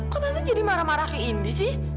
kok tante jadi marah marah kayak indi sih